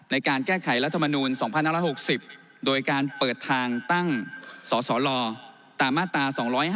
ในการแก้ไขรัฐมนูล๒๕๖๐โดยการเปิดทางตั้งสสลตามมาตรา๒๕๖